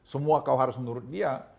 semua kau harus menurut dia